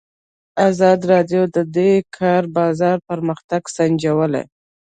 ازادي راډیو د د کار بازار پرمختګ سنجولی.